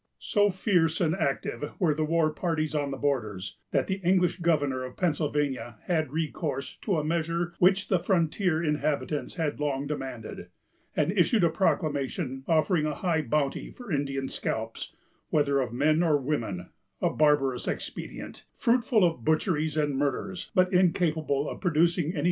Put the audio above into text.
So fierce and active were the war parties on the borders, that the English governor of Pennsylvania had recourse to a measure which the frontier inhabitants had long demanded, and issued a proclamation, offering a high bounty for Indian scalps, whether of men or women; a barbarous expedient, fruitful of butcheries and murders, but incapable of producing any decisive result.